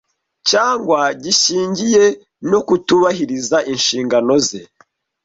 cyangwa gishingiye no ku kutubahiriza inshingano ze